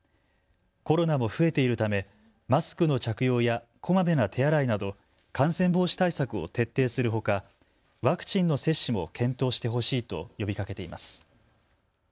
コロナも増えているためマスクの着用やこまめな手洗いなど感染防止対策を徹底するほかワクチンの接種も検討してほしいと呼びかけています。